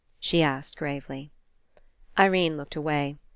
she asked gravely. Irene looked away.